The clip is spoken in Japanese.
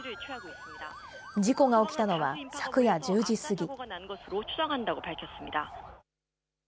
事故が起きたのは昨夜１０時過ぎ。